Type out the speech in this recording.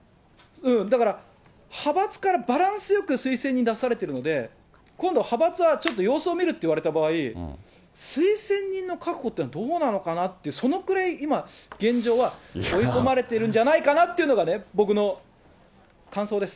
だから、派閥からバランスよく推薦人出されているので、今度は派閥はちょっと様子を見るって言われた場合、推薦人の確保というのはどうなのかなっていう、そのくらい今、現状は追い込まれてるんじゃないかなっていうのが僕の感想です。